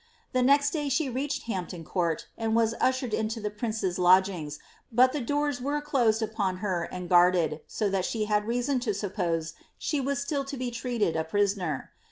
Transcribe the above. ^ The next (by she reached Hampton Court, and was ushered into the ^^ prince's lod^m^" but the doors were closed upon her and guarded, so that she Lad reason to suppose she was still Uo be treated as a prisoner.